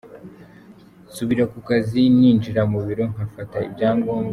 Nsubira ku kazi, ninjira mu biro gufata ibyangombwa.